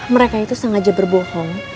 mereka itu sengaja berbohong